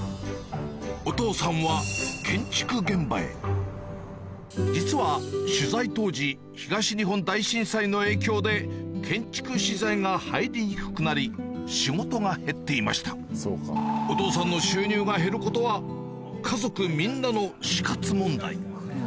お父さんは実は取材当時東日本大震災の影響で建築資材が入りにくくなり仕事が減っていましたお父さんの収入が減ることは家族みんなの死活問題